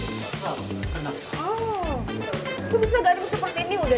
itu bisa gaduh seperti ini udah